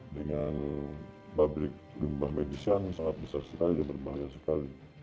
dengan pabrik limbah medis yang sangat besar sekali dan berbahaya sekali